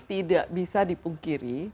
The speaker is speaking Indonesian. tidak bisa dipungkiri